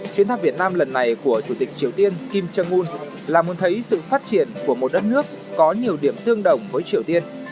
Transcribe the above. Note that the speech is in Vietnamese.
chuyến thăm việt nam lần này của chủ tịch triều tiên kim jong un là muốn thấy sự phát triển của một đất nước có nhiều điểm tương đồng với triều tiên